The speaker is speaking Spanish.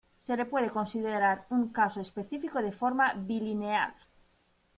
Se le puede considerar un caso específico de forma bilineal.